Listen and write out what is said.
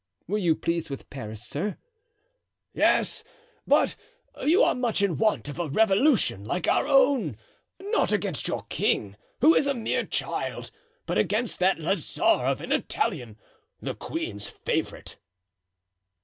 "Were you pleased with Paris, sir?" "Yes, but you are much in want of a revolution like our own—not against your king, who is a mere child, but against that lazar of an Italian, the queen's favorite."